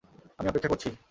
আমি অপেক্ষা করছি।